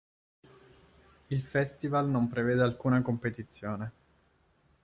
Il festival non prevede alcuna competizione.